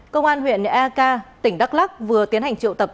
công an huyện eka tỉnh đắk lắc vừa tiến hành triệu tập